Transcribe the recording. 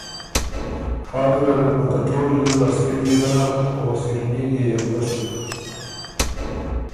فا ګیرډل بُو ته ټول ریوز ا ستِيړيې ګۀ نغک او سِرنیغيې يې بو ګۀ سُک۔